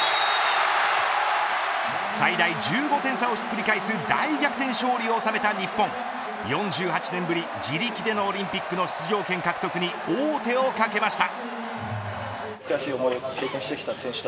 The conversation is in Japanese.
最大１５点差をひっくり返す大逆転勝利を収めた日本４８年ぶり自力でのオリンピックの出場権獲得に王手をかけました。